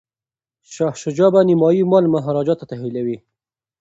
شاه شجاع به نیمایي مال مهاراجا ته تحویلوي.